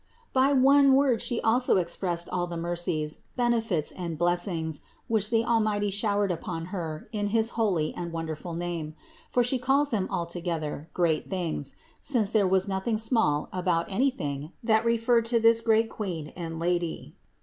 By one word also She expressed all the mercies, 180 CITY OF GOD benefits and blessings, which the Almighty showered upon Her in his holy and wonderful name ; for She calls them altogether "great things" since there was nothing small about anything that referred to this great Queen and Lady.